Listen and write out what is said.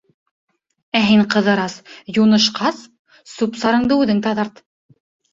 — Ә һин, Ҡыҙырас, юнышҡас, сүп-сарыңды үҙең таҙарт.